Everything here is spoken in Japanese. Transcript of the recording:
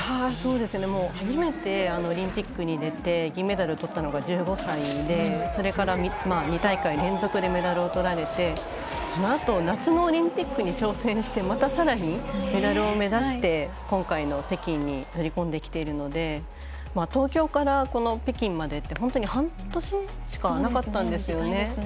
初めてオリンピックに出て銀メダルをとったのが１５歳でそれから２大会連続でメダルをとられてそのあと、夏のオリンピックに挑戦して、またさらにメダルを目指して今回の北京に乗り込んできているので東京から北京までって半年しかなかったですよね。